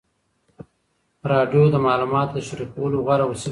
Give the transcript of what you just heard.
راډیو د معلوماتو د شریکولو غوره وسیله ده.